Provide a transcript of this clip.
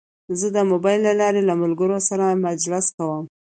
زه د موبایل له لارې د ملګرو سره مجلس کوم.